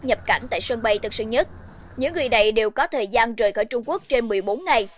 nhập cảnh tại sân bay tân sơn nhất những người này đều có thời gian rời khỏi trung quốc trên một mươi bốn ngày